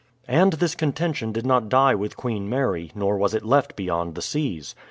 And this contention did not die with Queen Mary, nor was it left beyond the seas.